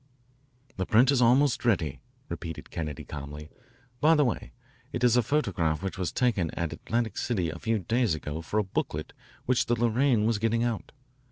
"The print is almost ready," repeated Kennedy calmly. "By the way, it is a photograph which was taken at Atlantic City a few days ago for a booklet which the Lorraine was getting out.